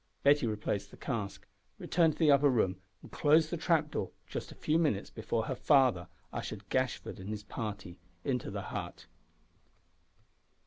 Betty replaced the cask, returned to the upper room, and closed the trap door just a few minutes before her father ushered Gashford and his party into the hut.